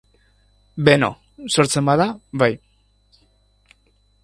Beno, sortzen bada, bai.